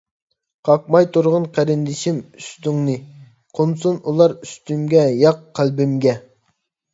قاقماي تۇرغىن قېرىندىشىم ئۈستۈڭنى، قونسۇن ئۇلار ئۈستۈمگە، ياق قەلبىمگە.